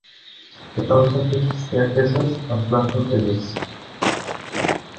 It also fixed staircases and platform edges.